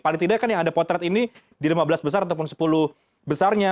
paling tidak kan yang ada potret ini di lima belas besar ataupun sepuluh besarnya